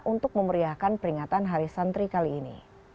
untuk memeriahkan peringatan hari santri kali ini